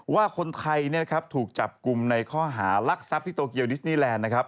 ว่าคนไทยถูกจับกลุ่มในข้อหารักทรัพย์ที่โตเกียวดิสนีแลนด์นะครับ